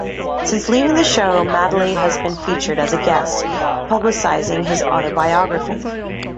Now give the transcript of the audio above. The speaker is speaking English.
Since leaving the show, Madeley has been featured as a guest, publicising his autobiography.